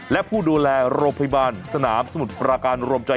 และผู้ดูแลโรงพยาบาลสนามสมุทรปราการรวมใจ